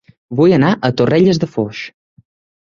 Vull anar a Torrelles de Foix